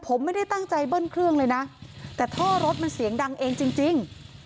ผมไม่ได้ตั้งใจเบิ้ลเครื่องเลยนะแต่ท่อรถมันเสียงดังเองจริง